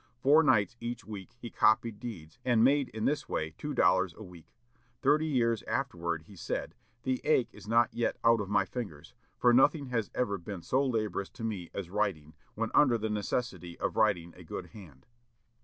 Four nights each week he copied deeds, and made in this way two dollars a week. Thirty years afterward he said, "The ache is not yet out of my fingers; for nothing has ever been so laborious to me as writing, when under the necessity of writing a good hand."